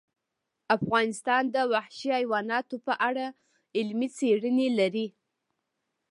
افغانستان د وحشي حیوانات په اړه علمي څېړنې لري.